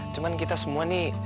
cuman kita semua nih